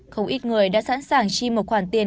không ít người đã sẵn sàng chi một khoản tiền